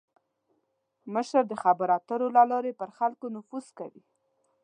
مشر د خبرو اترو له لارې پر خلکو نفوذ کوي.